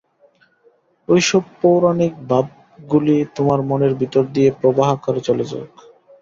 ঐ-সব পৌরাণিক ভাবগুলি তোমার মনের ভিতর দিয়ে প্রবাহকারে চলে যাক।